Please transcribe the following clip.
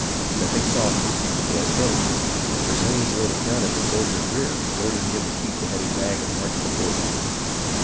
Stepping softly, the boy approached, and presenting his loaded gun at the soldier's rear, ordered him to keep the heavy bag and march before him.